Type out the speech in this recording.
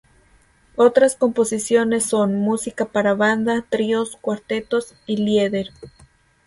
Otras composiciones son: música para banda, tríos, cuartetos y lieder.